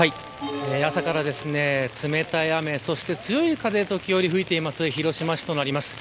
朝から冷たい雨、そして強い風時折吹いています広島市です。